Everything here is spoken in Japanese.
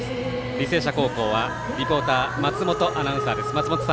履正社高校はリポーター松本アナウンサーです。